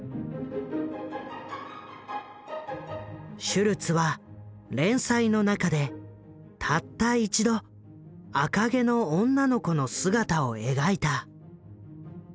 シュルツは連載の中でたった一度赤毛の女の子の姿を描いた。